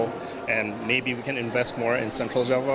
dan mungkin kami bisa berinvestasi lebih dalam jawa tengah atau jepang